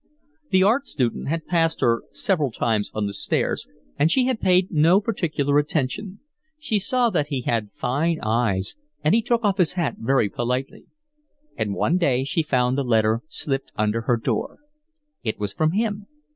The art student had passed her several times on the stairs, and she had paid no particular attention. She saw that he had fine eyes, and he took off his hat very politely. And one day she found a letter slipped under her door. It was from him.